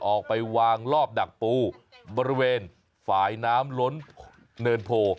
ออกไปวางรอบดักปูบริเวณฝ่ายน้ำล้นเนินโพ